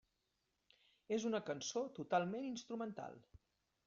És una cançó totalment instrumental.